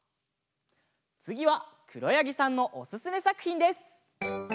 つぎはくろやぎさんのおすすめさくひんです。